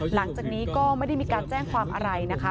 หลังจากนี้ก็ไม่ได้มีการแจ้งความอะไรนะคะ